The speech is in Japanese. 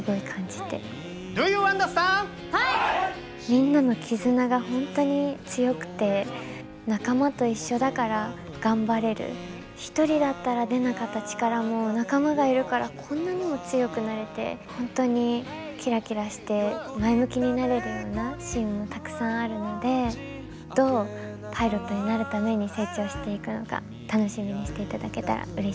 みんなの絆が本当に強くて仲間と一緒だから頑張れる一人だったら出なかった力も仲間がいるからこんなにも強くなれて本当にキラキラして前向きになれるようなシーンもたくさんあるのでどうパイロットになるために成長していくのか楽しみにしていただけたらうれしいです。